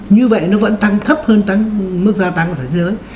như vậy nó vẫn tăng thấp hơn mức gia tăng của thế giới